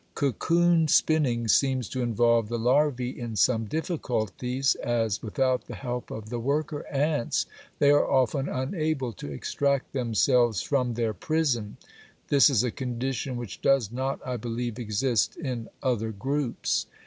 Cocoon spinning seems to involve the larvæ in some difficulties, as without the help of the worker ants they are often unable to extract themselves from their prison. This is a condition which does not, I believe, exist in other groups.